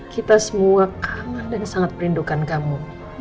kita semua sangat merindukan kamu